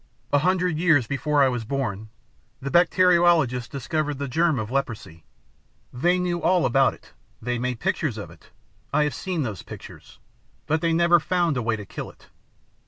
A hundred years before I was born, the bacteriologists discovered the germ of leprosy. They knew all about it. They made pictures of it. I have seen those pictures. But they never found a way to kill it.